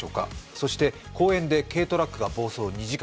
そして公園で軽トラックが暴走２時間。